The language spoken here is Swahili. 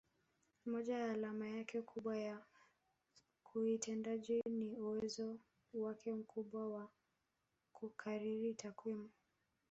Moja ya alama yake kubwa ya kiutendaji ni uwezo wake mkubwa wa kukariri takwimu